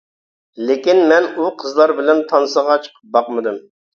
لېكىن مەن ئۇ قىزلار بىلەن تانسىغا چىقىپ باقمىدىم.